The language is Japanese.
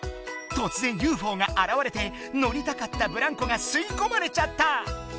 とつぜんＵＦＯが現れて乗りたかったブランコが吸いこまれちゃった！